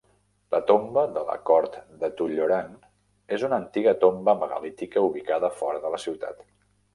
La tomba de la cort de Tullyoran és una antiga tomba megalítica ubicada fora de la ciutat.